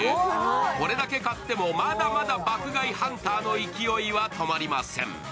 これだけ買ってもまだまだ爆買いハンターの勢いは止まりません。